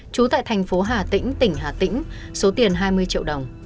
trú tại thành phố hà tĩnh tỉnh hà tĩnh số tiền hai mươi triệu đồng